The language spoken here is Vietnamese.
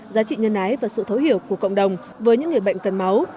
giá trị nhân ái và sự thấu hiểu của cộng đồng với những người bệnh cần máu